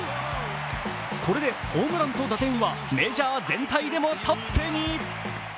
これでホームランと打点はメジャー全体でもトップに。